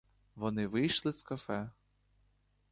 Вони вийшли з кафе.